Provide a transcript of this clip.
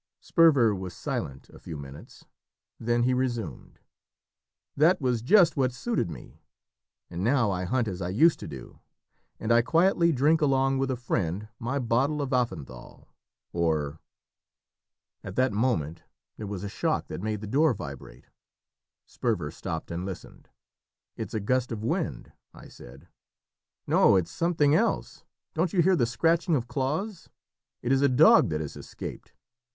'" Sperver was silent a few minutes; then he resumed "That was just what suited me, and now I hunt as I used to do, and I quietly drink along with a friend my bottle of Affenthal or " At that moment there was a shock that made the door vibrate; Sperver stopped and listened. "It is a gust of wind," I said. "No, it is something else. Don't you hear the scratching of claws? It is a dog that has escaped.